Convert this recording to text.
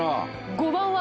５番は。